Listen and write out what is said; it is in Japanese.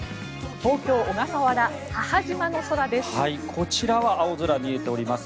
東京・小笠原母島の空です。